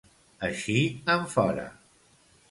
Eixir en fora.